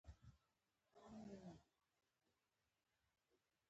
بیاباني محلي شاعر دی.